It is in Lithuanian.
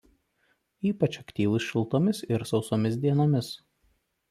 Ypač aktyvūs šiltomis ir sausomis dienomis.